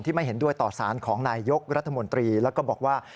ไม่เห็นด้วยต่อสารของนายยกรัฐมนตรีแล้วก็บอกว่า